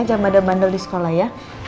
jam ada bandel di sekolah ya